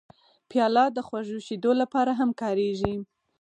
پیاله د خوږو شیدو لپاره هم کارېږي.